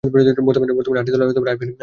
বর্তমানে আটটি দল আইপিএলে অংশগ্রহণ করে।